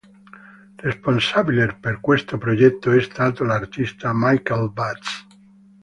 Responsabile per questo progetto è stato l'artista Michael Batz.